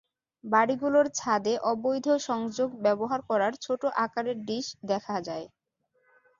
বাড়িগুলোর ছাদে অবৈধ সংযোগ ব্যবহার করার ছোট আকারের ডিশ দেখা যায়।